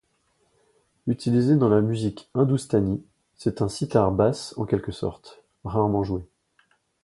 Utilisé dans la musique hindoustanie, c'est un sitar basse en quelque sorte, rarement joué.